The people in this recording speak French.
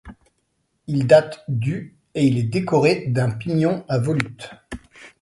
Il date du et il est décoré d'un pignon à volutes.